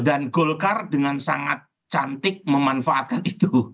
dan golkar dengan sangat cantik memanfaatkan itu